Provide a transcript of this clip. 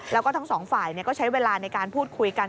แล้วก็ทั้งสองฝ่ายก็ใช้เวลาในการพูดคุยกัน